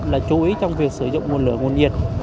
là chú ý trong việc sử dụng nguồn lửa nguồn nhiệt